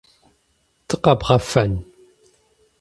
Дыкъэбгъэфэн?